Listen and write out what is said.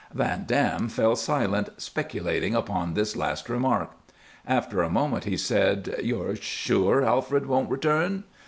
Van Dam fell silent, speculating upon this last remark. After a moment he said, "You're sure Alfred won't return?"